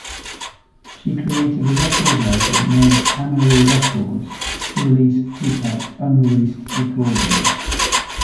She created a record label named Amaru Records to release Tupac's unreleased recordings.